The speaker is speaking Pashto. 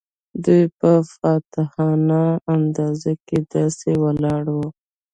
دوی په فاتحانه انداز کې داسې ولاړ وو.